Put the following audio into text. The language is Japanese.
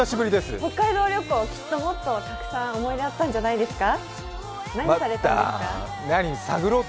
北海道旅行、きっともっとたくさん思い出あったんじゃないですか？